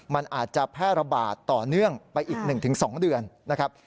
มันอาจจะแพร่ระบาดต่อเนื่องไปอีก๑๒เดือนนะครับ